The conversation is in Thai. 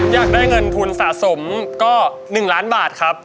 อยากได้เงินทุนสะสมก็๑ล้านบาทครับ